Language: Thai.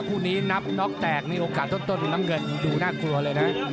ฟรือว่านี้นับน็อคแตกมีโอกาสเพิ่มโต้นผิดน้ำเงินดูน่ากลัวเลยนะฮะ